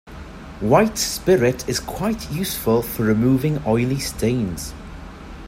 White spirit is quite useful for removing oily stains